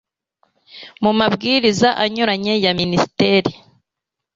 mu mabwiriza anyuranye ya minisiteri